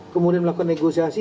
kemudian melakukan negosiasi